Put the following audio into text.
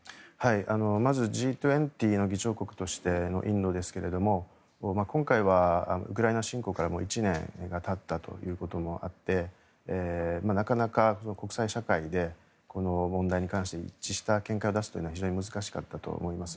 まずＧ２０の議長国としてのインドですけれども今回はウクライナ侵攻からもう１年たったということもあってなかなか国際社会でこの問題に関して一致した見解を出すというのは非常に難しかったと思います。